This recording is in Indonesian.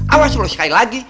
awas lu sekali lagi